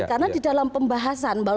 karena di dalam pembahasan